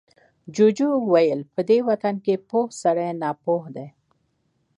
جوجو وويل، په دې وطن کې پوه سړی ناپوه دی.